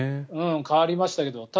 変わりましたけど。